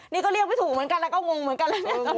นี่ก็เรียกไม่ถูกเหมือนกันแล้วก็งงเหมือนกัน